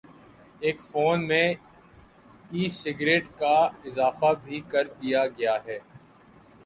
ایک فون میں "e cigarette" کا اضافہ بھی کر دیا گیا ہے